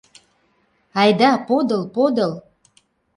Айда подыл, подыл!